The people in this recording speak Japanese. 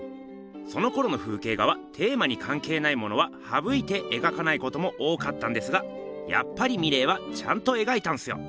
そのころの風景画はテーマにかんけいないものははぶいて描かないことも多かったんですがやっぱりミレーはちゃんと描いたんすよ。